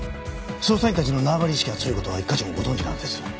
捜査員たちの縄張り意識が強い事は一課長もご存じのはずです。